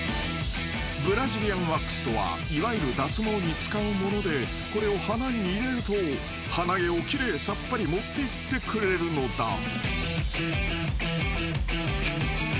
［ブラジリアンワックスとはいわゆる脱毛に使うものでこれを鼻に入れると鼻毛を奇麗さっぱり持っていってくれるのだ］